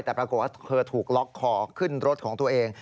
แต่ปรากฏว่าเธอถูกล็อกคอขึ้นรถของตัวเอง